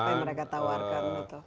apa yang mereka tawarkan